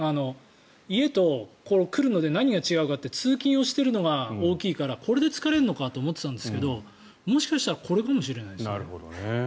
家と来るので何が違うかって通勤しているのが大きいからこれで疲れるのかなと思っていたんですけどもしかしたらこれかもしれないですね。